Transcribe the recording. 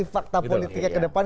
fakta politiknya ke depan